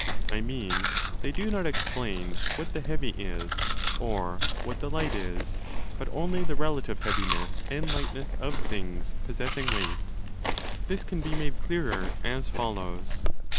I mean, they do not explain what the heavy is or what the light is, but only the relative heaviness and lightness of things, possessing weight. This can be made clearer as follows.